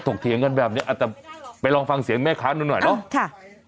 ถกเถียงกันแบบเนี้ยอ่ะแต่ไปลองฟังเสียงแม่ค้าหนูหน่อยเนอะอ๋อค่ะ